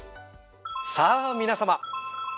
さあ皆様。